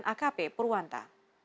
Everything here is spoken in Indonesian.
dan akp purwanta